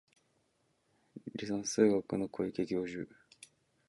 離散数学の小池教授